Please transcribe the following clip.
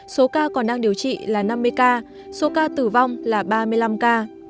số ca còn đang điều trị là năm mươi ca số ca tử vong là ba mươi năm ca